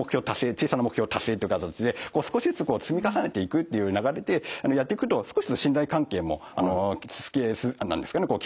小さな目標達成っていう形で少しずつ積み重ねていくっていう流れでやっていくと少しずつ信頼関係も形成されてきたりとかするんですね。